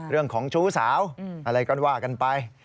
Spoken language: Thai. เรื่องของชู้สาวอะไรก็ว่ากันไป